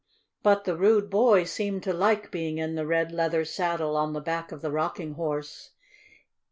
But the rude boy seemed to like being in the red leather saddle on the back of the Rocking Horse.